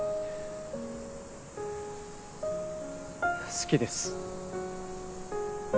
好きです。